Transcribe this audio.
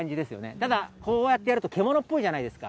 ただ、こうやってやると、獣っぽいじゃないですか。